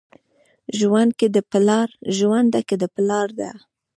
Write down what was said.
ژرنده که د پلار ده